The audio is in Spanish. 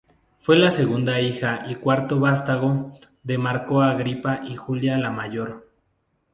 Fue la segunda hija y cuarto vástago de Marco Agripa y Julia la Mayor.